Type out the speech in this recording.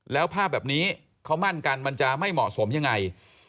แล้วภาพแบบนี้เขามั่นกันมันจะไม่เหมาะสมยังไง